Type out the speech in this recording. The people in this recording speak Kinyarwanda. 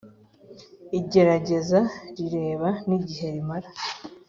Igerageza rireba n igihe rimara